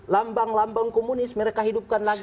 lambang lambang komunis mereka hidupkan lagi di situ